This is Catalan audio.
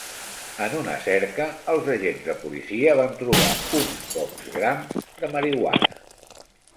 En una cerca els agents de policia van trobar uns pocs grams de marihuana.